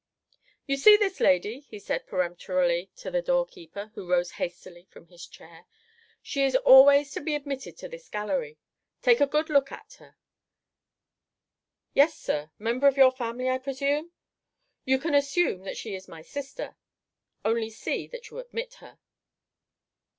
"You see this lady," he said peremptorily to the doorkeeper, who rose hastily from his chair. "She is always to be admitted to this gallery. Take a good look at her." "Yes, sir; member of your family, I presume?" "You can assume that she is my sister. Only see that you admit her."